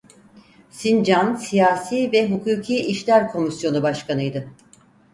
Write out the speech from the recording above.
Sincan Siyasi ve Hukuki İşler Komisyonu başkanıydı.